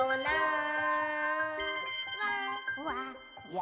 「わ！」